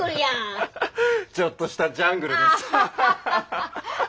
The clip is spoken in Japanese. ちょっとしたジャングルです。